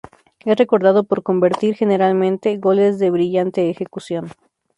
Es recordado por convertir, generalmente, goles de brillante ejecución.